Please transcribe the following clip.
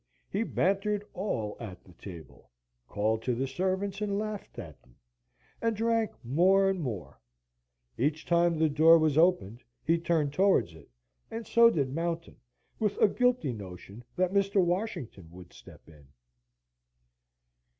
He bantered all at the table; called to the servants and laughed at them, and drank more and more. Each time the door was opened, he turned towards it; and so did Mountain, with a guilty notion that Mr. Washington would step in.